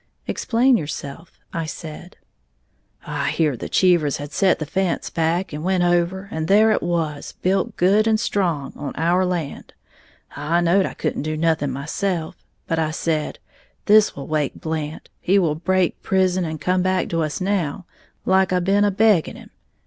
"Explain yourself," I said. "I heared the Cheevers had set the fence back, and went over, and there it was, built good and strong, on our land. I knowed I couldn't do nothing myself; but I said, 'This will wake Blant; he will break prison and come back to us now, like I been a begging him.